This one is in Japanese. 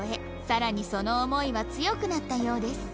更にその思いは強くなったようです